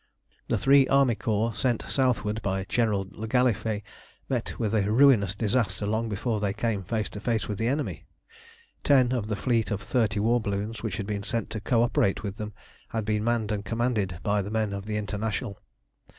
The three army corps sent southward by General le Gallifet met with a ruinous disaster long before they came face to face with the enemy. Ten of the fleet of thirty war balloons which had been sent to co operate with them, had been manned and commanded by men of the International.